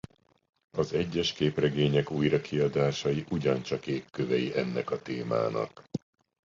Az egyes képregények újrakiadásai ugyancsak ékkövei ennek a témának.